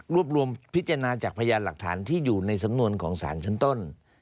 รวบรวมพิจารณาจากพยานหลักฐานที่อยู่ในสำนวนของสารชั้นต้น